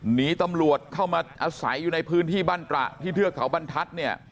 หนีตำรวจเข้ามาอาศัยอยู่ในพื้นที่บ้านตระที่เทือกเขาบรรทัศน์เนี่ย